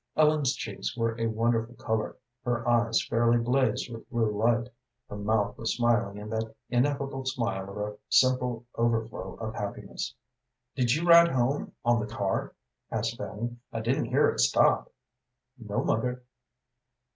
Ellen's cheeks were a wonderful color, her eyes fairly blazed with blue light, her mouth was smiling in that ineffable smile of a simple overflow of happiness. "Did you ride home on the car?" asked Fanny. "I didn't hear it stop." "No, mother."